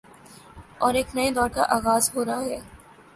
اورایک نئے دور کا آغاز ہو رہاہے۔